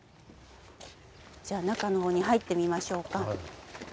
じゃあ中の方に入ってみましょうか。